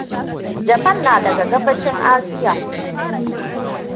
Japan na daga gabacin Asia.